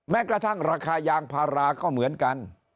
แม้กระทั่งราคายางพาราก็เหมือนกัน